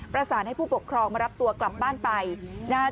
ประสานให้ผู้ปกครองมารับตัวกลับบ้านไปนะครับ